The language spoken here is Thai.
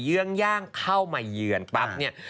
เยื้องย่างข้าวใหม่เยือนปั๊บเนี่ย